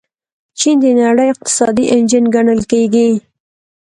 چین د نړۍ اقتصادي انجن ګڼل کیږي.